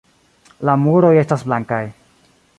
La muroj estas blankaj.